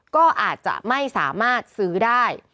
ก็อาจจะไม่สามารถซื้อได้